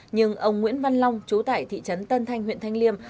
nhưng ông nguyễn văn long chú tại thị trấn tân thanh huyện thanh liêm